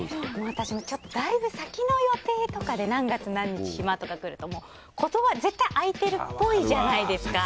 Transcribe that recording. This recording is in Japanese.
私もだいぶ先の予定とかで何月何日、暇？とかだと絶対空いてるっぽいじゃないですか。